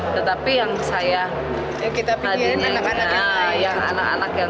ini bagian yang saya sedih menurut saya